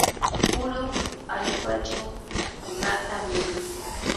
purun allpachaw uqata muruy.